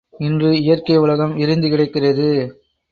இன்று இயற்கை உலகம் விரிந்து கிடக்கிறது.